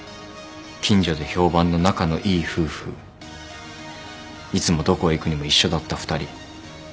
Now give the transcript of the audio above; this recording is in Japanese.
「近所で評判の仲のいい夫婦」「いつもどこへ行くにも一緒だった２人」